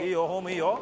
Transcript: いいよ